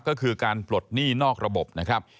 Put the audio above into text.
ก็คือการปลดหนี้นอกระบบนะครับ